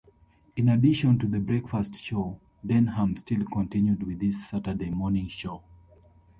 In addition to the Breakfast show, Denham still continued with his Saturday morning show.